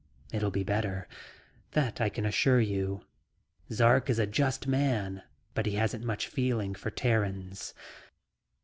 "It'll be better. That I can assure you. Zark is a just man, but he hasn't much feeling for Terrans..."